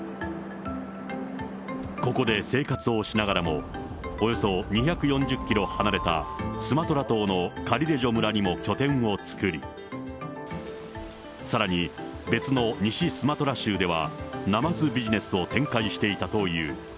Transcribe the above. ここで生活をしながらも、およそ２４０キロ離れたスマトラ島のカリレジョ村にも拠点を作り、さらに、別の西スマトラ州では、ナマズビジネスを展開していたという。